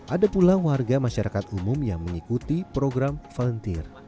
ada pula warga masyarakat umum yang mengikuti program volunteer